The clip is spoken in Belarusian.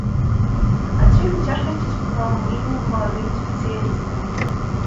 Адсюль і цяжкасці з папаўненнем маладымі спецыялістамі.